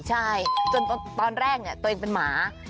ใช่จนตอนแรกตัวเองเป็นหมา